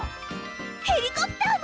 ヘリコプターも？